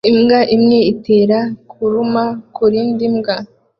Imbwa imwe itera kuruma kurindi mbwa